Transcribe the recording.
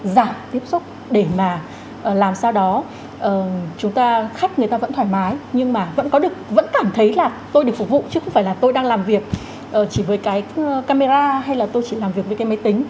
giảm tiếp xúc để mà làm sao đó chúng ta khách người ta vẫn thoải mái nhưng mà vẫn cảm thấy là tôi được phục vụ chứ không phải là tôi đang làm việc chỉ với cái camera hay là tôi chỉ làm việc với cái máy tính